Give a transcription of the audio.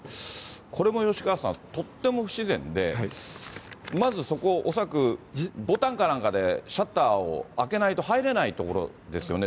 これも吉川さん、とっても不自然で、まずそこ、恐らくボタンかなんかでシャッターを開けないと入れない所ですよね。